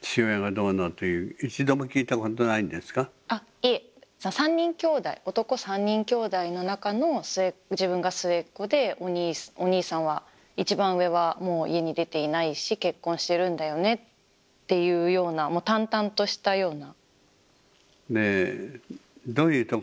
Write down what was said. いえ３人兄弟男３人兄弟の中の自分が末っ子でお兄さんは一番上はもう家出ていないし結婚してるんだよねっていうような淡々としたような。